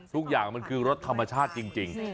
ทุกอย่างมันคือรสธรรมชาติจริง